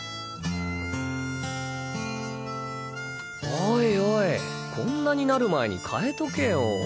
おいおいこんなになる前に替えとけよ。